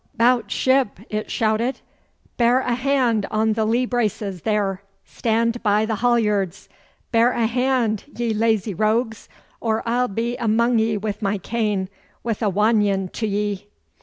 ''Bout ship!' it shouted. 'Bear a hand on the lee braces, there! Stand by the halliards! Bear a hand, ye lazy rogues, or I'll be among ye with my cane, with a wannion to ye!